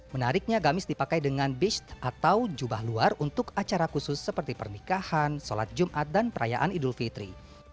menariknya gamis dipakai dengan bis atau jubah luar untuk acara khusus seperti pernikahan sholat jumat dan perayaan idul fitri